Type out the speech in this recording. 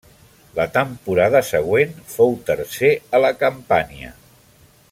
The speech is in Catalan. La temporada següent fou tercer a la Campània.